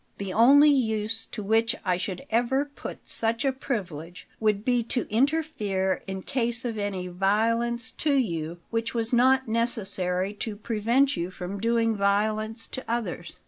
The only use to which I should ever put such a privilege would be to interfere in case of any violence to you which was not necessary to prevent you from doing violence to others.